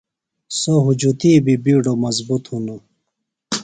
سوۡ ہُجتی بیۡ بِیڈو مضبُط ہِنوۡ۔